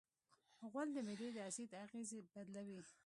غول د معدې د اسید اغېز بدلوي.